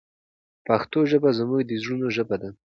پښتو ژبه زموږ د زړونو ژبه ده.